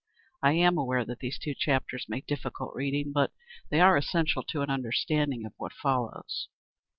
I am aware that these two chapters make difficult reading, but they are essential to an understanding of what follows.